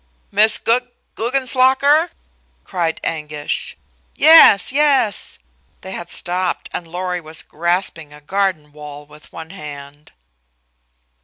"Miss Gug Guggenslocker?" cried Anguish. "Yes! Yes!" They had stopped and Lorry was grasping a garden wall with one hand.